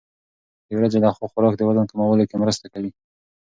د ورځې لخوا خوراک د وزن کمولو کې مرسته کوي.